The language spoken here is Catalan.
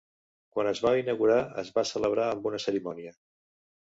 Quan es va inaugurar es va celebrar amb una cerimònia.